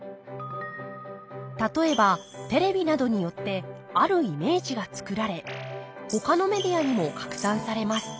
例えばテレビなどによってあるイメージが作られほかのメディアにも拡散されます。